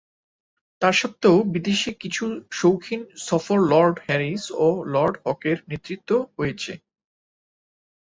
তাস্বত্ত্বেও বিদেশে কিছু শৌখিন সফর লর্ড হ্যারিস ও লর্ড হকের নেতৃত্বে হয়েছে।